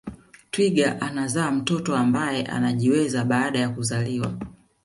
Twiga anazaa mtoto ambaye anajiweza baada ya kuzaliwa